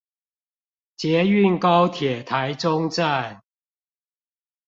捷運高鐵臺中站